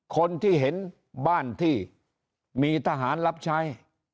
คนที่เห็นบ้านที่มีทหารรับใช้